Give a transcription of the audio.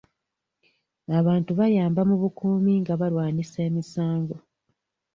Abantu bayamba mu bukuumi nga balwanyisa emisango.